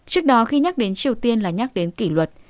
trước đó khi nhắc đến triều tiên là nhắc đến kỷ luật